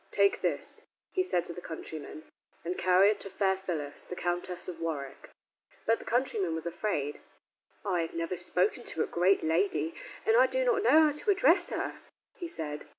"Take this," he said to the countryman, "and carry it to Fair Phyllis, the Countess of Warwick." But the countryman was afraid. "I have never spoken to a great lady, and I do not know how to address her," he said.